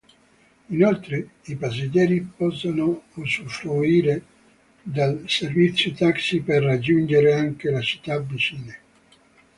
Inoltre, i passeggeri possono usufruire del servizio taxi per raggiungere anche le città vicine.